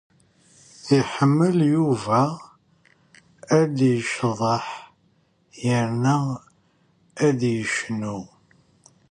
Iḥemmel Yuba ad yecḍeḥ yerna ad yecnu.